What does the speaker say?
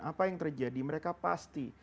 apa yang terjadi mereka pasti